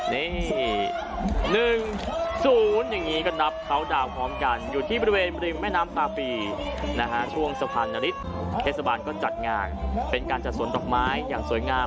นี่๑๐อย่างนี้ก็นับเขาดาวน์พร้อมกันอยู่ที่บริเวณริมแม่น้ำตาปีนะฮะช่วงสะพานนฤทธิ์เทศบาลก็จัดงานเป็นการจัดสวนดอกไม้อย่างสวยงาม